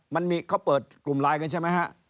มันมีเขาเปิดกลุ่มไลน์กันใช่ไหมฮะ